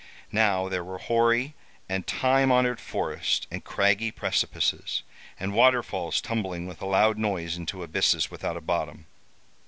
Now there were hoary and time honored forests, and craggy precipices, and waterfalls tumbling with a loud noise into abysses without a bottom.